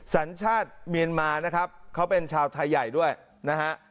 สัญชาติเมียนมานะครับเขาเป็นชาวไทยใหญ่ด้วยนะฮะ